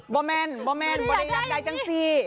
บ่เมนบ่ได้อยากได้แบบนี้